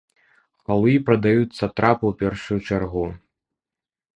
Халуі прадаюць сатрапа ў першую чаргу.